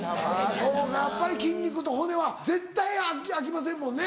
そうかやっぱり筋肉と骨は絶対あきませんもんね